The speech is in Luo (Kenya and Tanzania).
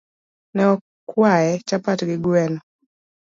Nokwaye chapat gi gweno.